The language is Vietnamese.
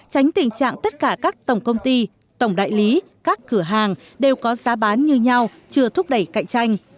tránh tình trạng tất cả các tổng công ty tổng đại lý các cửa hàng đều có giá bán như nhau chưa thúc đẩy cạnh tranh